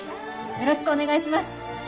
よろしくお願いします。